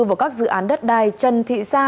vào các dự án đất đai trần thị sa